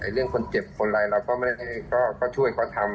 เรื่องคนเจ็บคนไรเราก็ช่วยเขาทำ